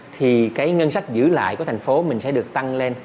thì cái ngân sách giữ lại của thành phố mình sẽ được tăng lên